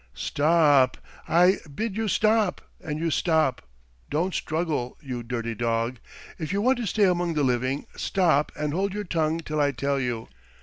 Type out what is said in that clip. "Sto op! I bid you stop and you stop. Don't struggle, you dirty dog! If you want to stay among the living, stop and hold your tongue till I tell you.